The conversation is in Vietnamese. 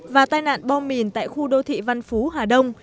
và tai nạn bom mìn tại khu đô thị văn phú hà đông